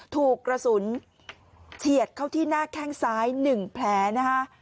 ถูกกระสุนเฉียดเข้าที่หน้าแข้งซ้าย๑แผลนะคะ